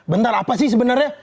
bentar apa sih sebenarnya